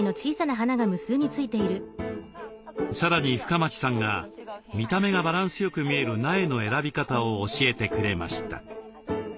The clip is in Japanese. さらに深町さんが見た目がバランスよく見える苗の選び方を教えてくれました。